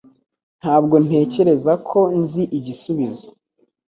Ntabwo ntekereza ko nzi igisubizo